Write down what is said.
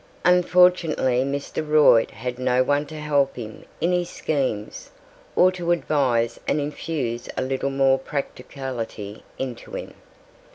Unfortunately Mr. Royd had no one to help him in his schemes, or to advise and infuse a little more practicality into him.